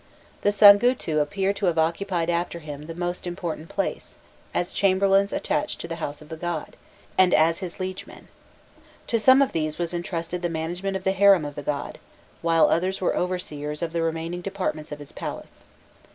The "sangutu" appear to have occupied after him the most important place, as chamberlains attached to the house of the god, and as his liegemen. To some of these was entrusted the management of the harem of the god, while others were overseers of the remaining departments of his palace.